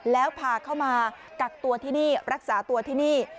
แล้วพาเข้ามากักตัวที่นี่รักษาตัวที่นี่